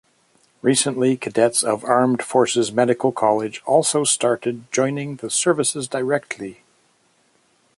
Recently cadets of Armed Forces Medical College also started joining the services directly.